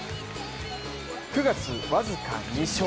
９月、僅か２勝。